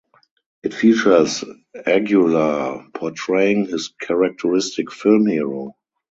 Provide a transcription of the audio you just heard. It features Aguilar portraying his characteristic film hero.